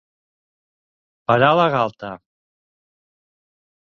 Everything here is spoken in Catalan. Parar la galta.